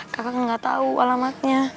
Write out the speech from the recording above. kakak nggak tahu alamatnya